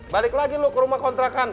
balik lagi lu ke rumah kontrakan